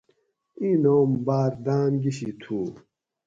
اِیں نام باۤر داۤم گۤشی تھُو